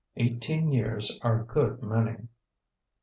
Eighteen years are a good many."